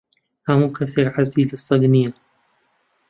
ھەموو کەسێک حەزی لە سەگ نییە.